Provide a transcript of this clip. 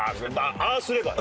ああすればね。